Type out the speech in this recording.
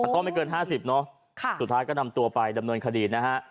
ต้องไม่เกิน๕๐เนอะสุดท้ายก็นำตัวไปดำเนินคดีนะฮะ